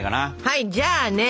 はいじゃあね